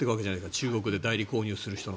中国の代理購入する人の。